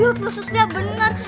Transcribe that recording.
ya pesos lia bener